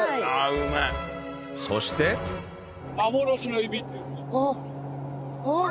そしてあっあっ。